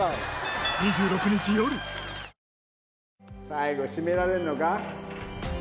最後締められるのか？